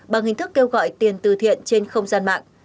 bằng hình thức kêu gọi tiền từ thiện trên không gian mạng